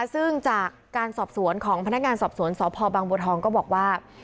ซึ่งจากการสอบสวนของพนักงานสอบสวนสพบังบัวทองก็บอกว่า